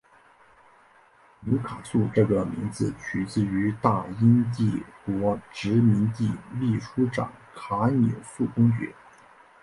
纽卡素这个名字取自于大英帝国殖民地秘书长纽卡素公爵。